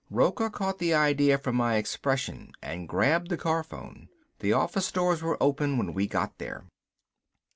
Rocca caught the idea from my expression and grabbed the car phone. The office doors were open when we got there.